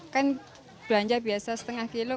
kan belanja biasa setengah kilo